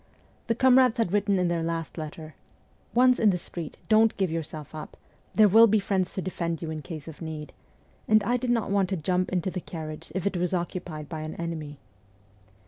The comrades had written in their last letter, ' Once in the street, don't give yourself up : there will be friends to defend you in case of need,' and I did not want to jump into the carriage if it was occupied by an enemy.